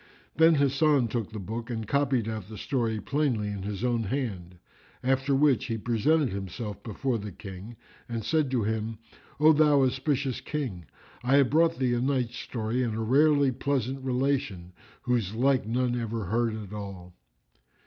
Then Hasan took the book and copied out the story plainly in his own hand; after which he presented himself before the King and said to him, "O thou auspicious King, I have brought thee a night story and a rarely pleasant relation, whose like none ever heard at all."